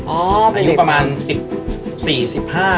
อายุประมาณสิบสี่สิบห้า